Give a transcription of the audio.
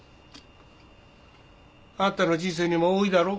あんたの人生にも多いだろ？